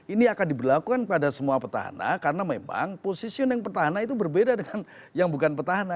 ini akan diberlakukan pada semua petahana karena memang positioning petahana itu berbeda dengan yang bukan petahana